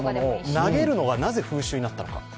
投げるのがなぜ風習になったのか？